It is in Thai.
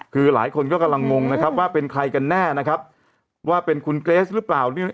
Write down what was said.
คือหลายคนก็กำลังงงนะครับว่าเป็นใครกันแน่นะครับว่าเป็นคุณเกรสหรือเปล่า